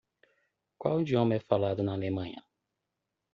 Qual idioma é falado na Alemanha?